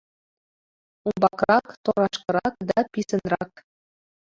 Умбакрак, торашкырак да писынрак.